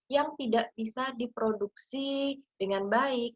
yang tidak bisa diproduksi dengan baik